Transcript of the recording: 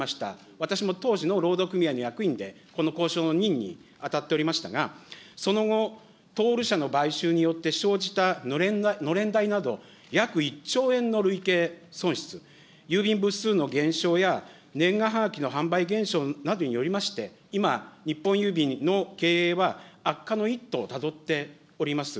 私も当時の労働組合の役員で、この交渉の任に当たっておりましたが、その後、社の買収によって生じたのれん代など、約１兆円の累計損失、郵便部数の減少や年賀はがきの販売減少によりまして、今、日本郵便の経営は悪化の一途をたどっております。